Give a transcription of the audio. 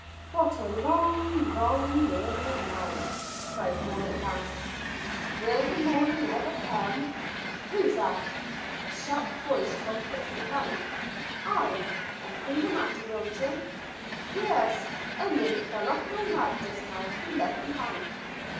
"What a long, long, weary night!" sighed Bourne at last. "Will the morning never come?" "Who's that?" a sharp voice from close behind. "I. Anything the matter, Wilton?" "Yes; I nearly fell off my nag just now, to be left behind."